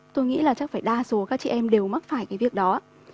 tôi nghĩ là chắc phải đa số các chị em đều mắc phải cái việc đó